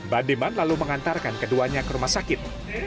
bandiman lalu mengantarkan keduanya ke rumah sakit